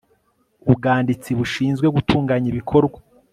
Ubwanditsi bushinzwe gutunganya ibikorwa